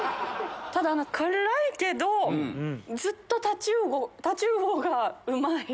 ただ辛いけどずっとタチウオがうまい。